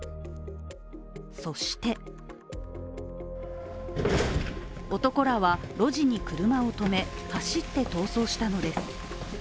そして男らは路地に車を止め、走って逃走したのです。